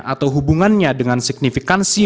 atau hubungannya dengan signifikansi